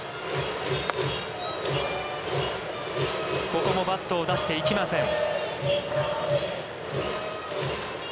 ここもバットを出していきません。